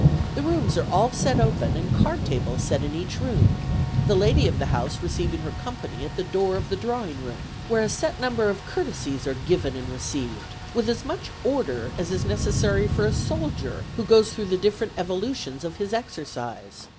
The rooms are all set open, and card tables set in each room, the lady of the house receiving her company at the door of the drawing room, where a set number of courtesies are given and received with as much order as is necessary for a soldier who goes through the different evolutions of his exercise.